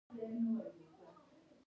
تنور د پسرلي په سهارونو کې هم تودېږي